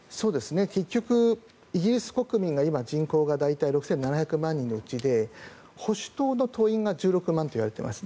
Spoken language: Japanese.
結局、イギリス国民が今、人口が大体６７００万人のうちで保守党の党員が１６万といわれています。